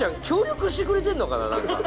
協力してくれてんのかな？